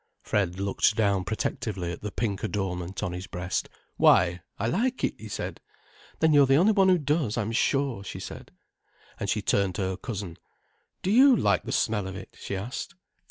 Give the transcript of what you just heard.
Fred looked down protectively at the pink adornment on his breast. "Why, I like it," he said. "Then you're the only one who does, I'm sure," she said. And she turned to her cousin. "Do you like the smell of it?" she asked.